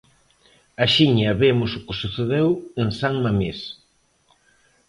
Axiña vemos o que sucedeu en San Mamés.